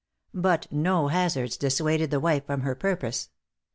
But no hazards dissuaded the wife from her purpose.